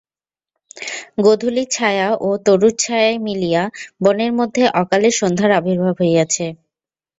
গোধূলির ছায়া ও তরুর ছায়ায় মিলিয়া বনের মধ্যে অকালে সন্ধ্যার আবির্ভাব হইয়াছে।